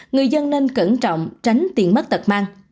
người dân nên cẩn trọng tránh tiền mất tật mang